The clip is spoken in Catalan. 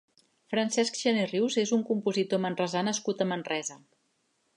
Francesc Gener Rius és un compositor manresà nascut a Manresa.